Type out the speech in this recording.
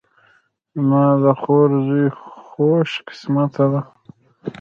زما د خور زوی خوش قسمته ده